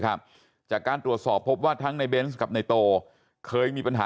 จากการตรวจสอบพบว่าทั้งในเบนส์กับในโตเคยมีปัญหา